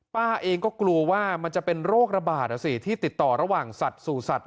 ป้าเองก็กลัวว่ามันจะเป็นโรคระบาดสิที่ติดต่อระหว่างสัตว์สู่สัตว